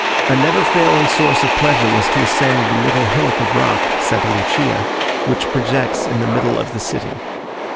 A never failing source of pleasure was to ascend the little hillock of rock (St. Lucia) which projects in the middle of the city.